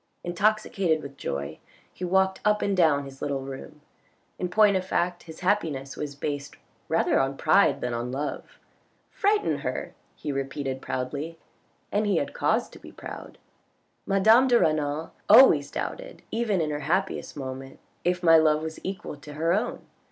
Intoxicated with joy he walked up and down his little room. In point of fact his happiness was based rather on pride than on love. " Frighten her !" he repeated proudly, and he had cause to be proud. " Madame de Renal always doubted even in her happiest moments if my love was equal to her own.